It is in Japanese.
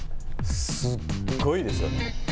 すっごいですよね。